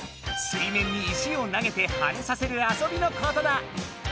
水面に石を投げてはねさせるあそびのことだ。